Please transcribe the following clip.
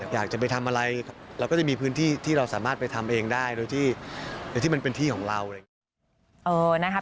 อยากจะไปทำอะไรเราก็จะมีพื้นที่ที่เราสามารถไปทำเองได้โดยที่มันเป็นที่ของเราอะไรอย่างนี้